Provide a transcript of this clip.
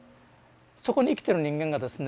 そこに生きてる人間がですね